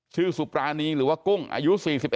สุปรานีหรือว่ากุ้งอายุ๔๑